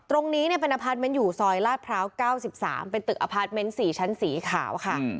ตรงนี้เป็นอพาร์ทเมนต์อยู่ซอยลาดพร้าว๙๓เป็นตึกอพาร์ทเมนต์๔ชั้นสีขาวค่ะ